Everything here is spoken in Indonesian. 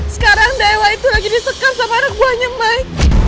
sekarang dewa itu lagi disekat sama anak buahnya mai